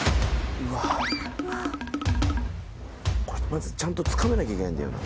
まずちゃんとつかめなきゃいけないんだよな。